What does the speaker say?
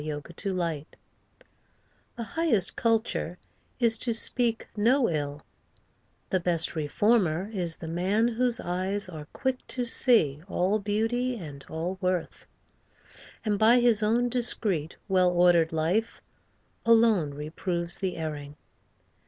TRUE CULTURE The highest culture is to speak no ill, The best reformer is the man whose eyes Are quick to see all beauty and all worth; And by his own discreet, well ordered life, Alone reproves the erring.